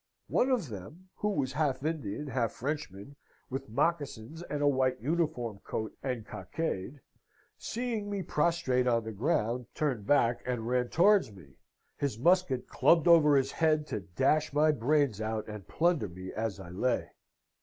"One of them, who was half Indian half Frenchman, with mocassins and a white uniform coat and cockade, seeing me prostrate on the ground, turned back and ran towards me, his musket clubbed over his head to dash my brains out and plunder me as I lay.